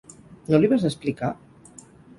No li vas explicar?